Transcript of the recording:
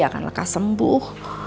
ren akan lekas sembuh